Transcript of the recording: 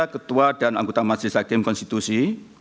ketua dan anggota masjid lakim konstitusi